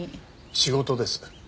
仕事です。